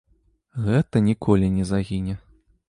Гэта ніколі не загіне.